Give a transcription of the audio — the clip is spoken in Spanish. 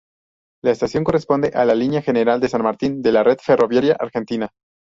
La estación corresponde a la línea General San Martín de la red ferroviaria argentina.